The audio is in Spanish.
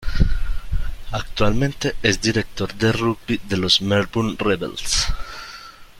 Actualmente es director de rugby de los Melbourne Rebels.